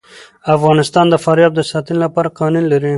افغانستان د فاریاب د ساتنې لپاره قوانین لري.